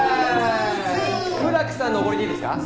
村木さんのおごりでいいですか？